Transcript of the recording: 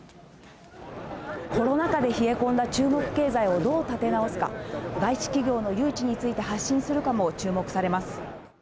コロナ禍で冷え込んだ中国経済をどう立て直すか、外資企業の誘致について発信するかも注目されます。